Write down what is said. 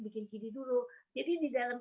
bikin kiri dulu jadi di dalam